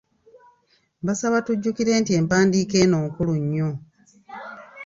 Mbasaba tujjukire nti empandiika eno nkulu nnyo.